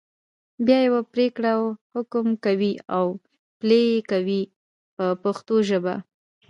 بیا یوه پرېکړه او حکم کوي او پلي یې کوي په پښتو ژبه.